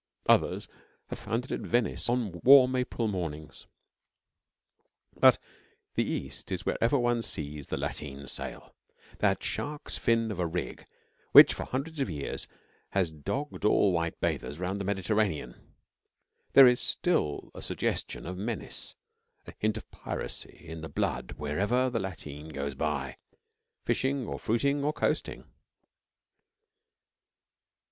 Others have found it at Venice on warm April mornings. But the East is wherever one sees the lateen sail that shark's fin of a rig which for hundreds of years has dogged all white bathers round the Mediterranean. There is still a suggestion of menace, a hint of piracy, in the blood whenever the lateen goes by, fishing or fruiting or coasting.